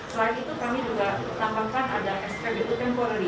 selain itu kami juga menambahkan ada spbu temporary